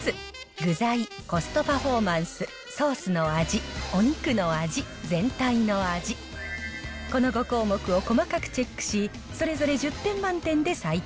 具材、コストパフォーマンス、ソースの味、お肉の味、全体の味、この５項目を細かくチェックし、それぞれ１０点満点で採点。